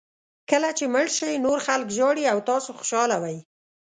کله چې مړ شئ نور خلک ژاړي او تاسو خوشاله وئ.